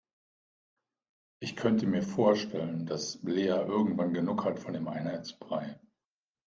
Ich könnte mir vorstellen, dass Lea irgendwann genug hat von dem Einheitsbrei.